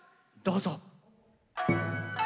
どうぞ！